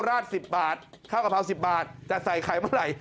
ราด๑๐บาทข้าวกะเพรา๑๐บาทจะใส่ไข่เมื่อไหร่